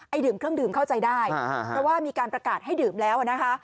ดื่มเครื่องดื่มเข้าใจได้เพราะว่ามีการประกาศให้ดื่มแล้วนะคะ